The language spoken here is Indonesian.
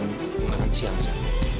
mau makan siang reh